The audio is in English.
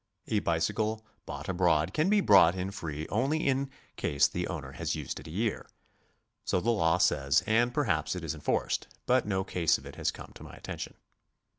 A bicycle bought abroad can be brought in free only in case the owner has used it a year. So the law says, and perhaps it is enforced, but no case of it has come to my attention.